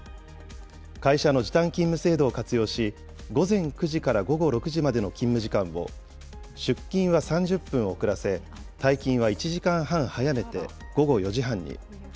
会社の時短勤務制度を活用し、午前９時から午後６時までの勤務時間を、出勤は３０分遅らせ、退勤は１時間半早めて、午後４時半に。